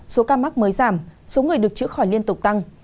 số ca mắc mới giảm số người được chữa khỏi liên tục tăng